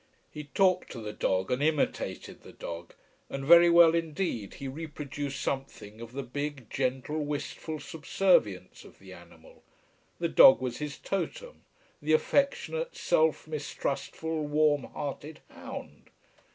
He talked to the dog, and imitated the dog. And very well indeed he reproduced something of the big, gentle, wistful subservience of the animal. The dog was his totem the affectionate, self mistrustful, warm hearted hound.